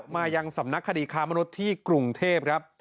มายังสำนักคดีค้ามนุษย์ที่กรุงเทพครับ